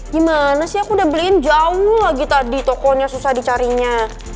gimana sih aku udah beliin jauh lagi tadi tokonya susah dicarinya